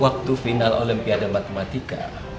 waktu final olimpiade matematika